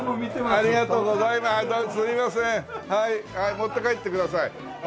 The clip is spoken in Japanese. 持って帰ってください。